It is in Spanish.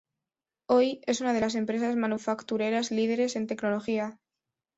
Hoy, es una de las empresas manufactureras líderes en tecnología.